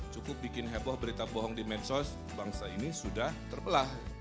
cukup bikin heboh berita bohong di mensos bangsa ini sudah terpelah